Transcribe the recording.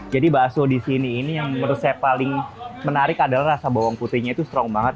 jadi bakso di sini ini yang menurut saya paling menarik adalah rasa bawang putihnya itu strong banget